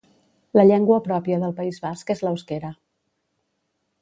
La llengua pròpia del País Basc és l'euskera.